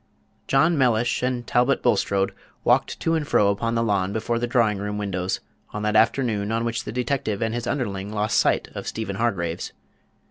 John Mellish and Talbot Bulstrode walked to and fro upon the lawn before the drawing room windows on that afternoon on which the detective and his underling lost sight of Stephen Hargraves.